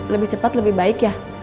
lebih cepat lebih baik ya